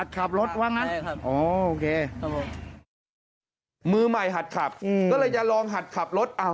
ก็เลยจะลองหัดขับรถ